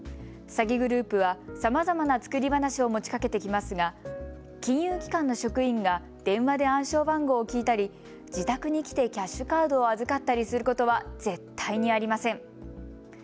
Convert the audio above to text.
詐欺グループは、さまざまな作り話を持ちかけてきますが金融機関の職員が電話で暗証番号を聞いたり自宅に来てキャッシュカードを預かったりすることは絶対にありません。